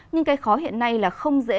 nhưng cái khó hiện nay là không dễ